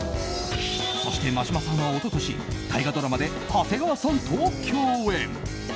そして、眞島さんは一昨年大河ドラマで長谷川さんと共演。